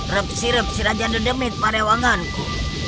repsi repsi raja dedemit parewanganku